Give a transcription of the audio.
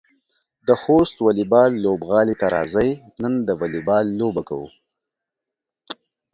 د خوست واليبال لوبغالي ته راځئ، نن د واليبال لوبه کوو.